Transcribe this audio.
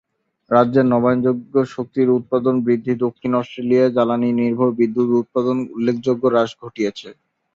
রাজ্যের নবায়ন যোগ্য শক্তির উৎপাদন বৃদ্ধি দক্ষিণ অস্ট্রেলিয়ায় জ্বালানি নির্ভর বিদ্যুত উৎপাদন উল্লেখযোগ্য হ্রাস ঘটিয়েছে।